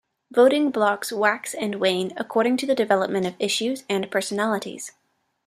Voting blocs wax and wane according to the development of issues and personalities.